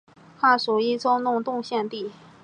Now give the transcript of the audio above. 汉属益州弄栋县地。